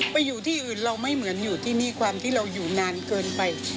ไปอยู่ที่อื่นเราไม่เหมือนอยู่ที่นี่ความที่เราอยู่นานเกินไป